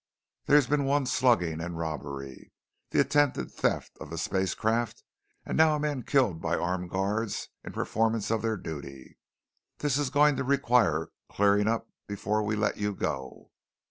There's been one slugging and robbery, the attempted theft of spacecraft, and now a man killed by armed guards in performance of their duty. This is going to require clearing up before we let you go."